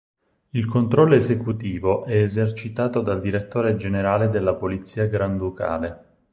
Il controllo esecutivo è esercitato dal Direttore Generale della Polizia granducale.